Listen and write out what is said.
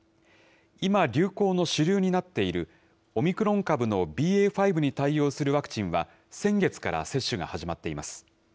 今、流行の主流になっている、オミクロン株のＢＡ．５に対応するワクチンは、先月から接種が始まっています。